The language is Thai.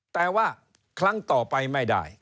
แต่ว่าครั้งต่อไปไม่ได้